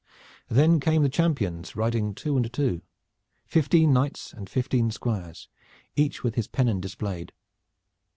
Then came the champions riding two and two, fifteen knights and fifteen squires, each with his pennon displayed.